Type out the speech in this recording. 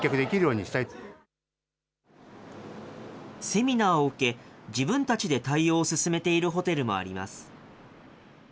セミナーを受け、自分たちで対応を進めているホテルもあります。